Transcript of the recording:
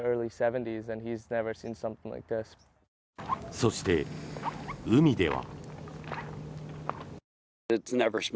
そして、海では。